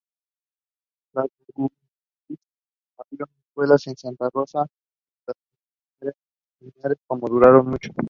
Los bautistas abrieron escuelas en Santa Rosa, Montemorelos y Linares pero no duraron mucho.